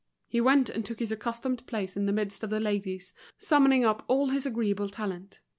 He went and took his accustomed place in the midst of the ladies, summoning up all his agreeable talent.